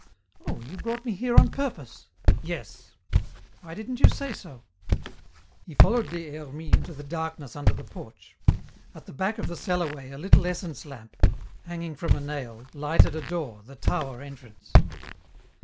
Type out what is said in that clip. "Oh! you brought me here on purpose?" "Yes." "Why didn't you say so?" He followed Des Hermies into the darkness under the porch. At the back of the cellarway a little essence lamp, hanging from a nail, lighted a door, the tower entrance.